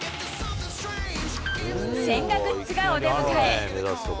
千賀グッズがお出迎え。